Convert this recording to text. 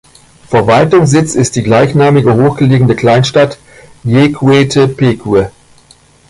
Verwaltungssitz ist die gleichnamige hoch gelegene Kleinstadt Jequetepeque.